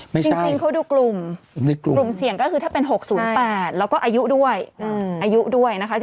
จริงเขาดูกลุ่มเสี่ยงก็คือถ้าเป็น๖๐๘แล้วก็อายุด้วยอายุด้วยนะคะ